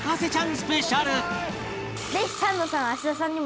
スペシャル